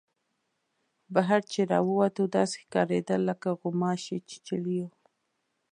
بهر چې را ووتو داسې ښکارېدل لکه غوماشې چیچلي یو.